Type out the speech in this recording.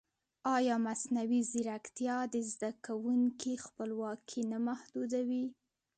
ایا مصنوعي ځیرکتیا د زده کوونکي خپلواکي نه محدودوي؟